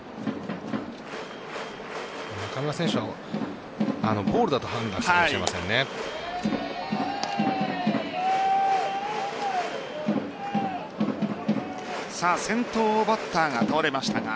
中村選手はボールだと判断したかもしれませんね。